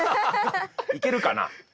いけるかな？